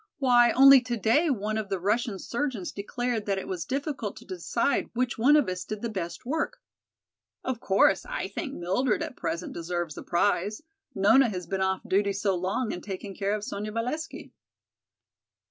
"Why, only today one of the Russian surgeons declared that it was difficult to decide which one of us did the best work. Of course, I think Mildred at present deserves the prize, Nona has been off duty so long in taking care of Sonya Valesky."